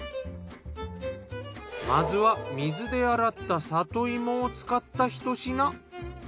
まずは水で洗った里芋を使ったひと品。